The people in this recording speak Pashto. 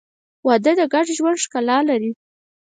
• واده د ګډ ژوند ښکلا لري.